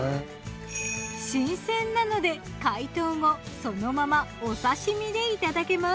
新鮮なので解凍後そのままお刺身でいただけます。